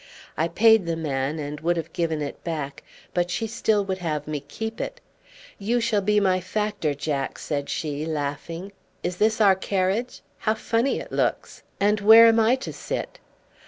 I paid the man, and would have given it back, but she still would have me keep it. "You shall be my factor, Jack," said she, laughing. "Is this our carriage? How funny it looks! And where am I to sit?"